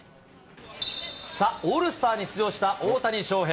オールスターに出場した大谷翔平。